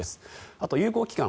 あと、有効期限